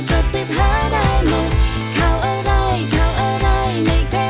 ค่าซีนไหมที่เรียกตัวแบบเนียน